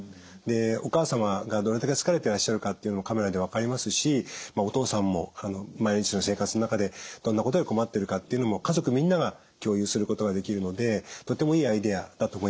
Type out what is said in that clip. お母様がどれだけ疲れてらっしゃるかっていうのもカメラで分かりますしお父さんも毎日の生活の中でどんなことで困ってるかっていうのも家族みんなが共有することができるのでとてもいいアイデアだと思いました。